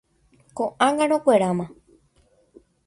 Ko'ág̃a rekueráma.